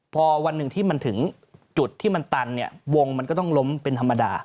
พอวันหนึ่งที่มันถึงจุดที่มันตันเนี่ยวงมันก็ต้องล้มเป็นธรรมดา